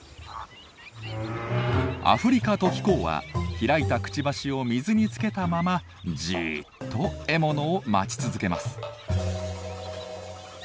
アフリカトキコウは開いたくちばしを水につけたままじっと獲物を待ち続けます。